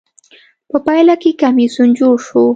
په پایله کې کمېسیون جوړ شو.